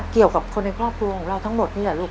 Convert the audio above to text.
เกี่ยวกับคนในครอบครัวของเราทั้งหมดนี่แหละลูก